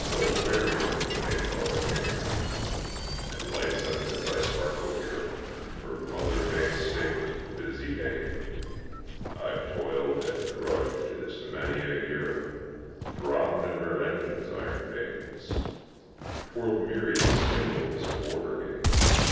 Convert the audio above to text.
No fairies in the Mayflower came, And, lightsome as I sparkle here, For Mother Bay State, busy dame, I've toiled and drudged this many a year, Throbbed in her engines' iron veins, Twirled myriad spindles for her gains.